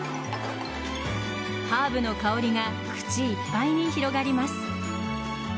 ハーブの香りが口いっぱいに広がります。